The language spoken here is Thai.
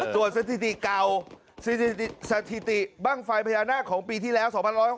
สถิติเก่าสถิติบ้างไฟพญานาคของปีที่แล้ว๒๖๖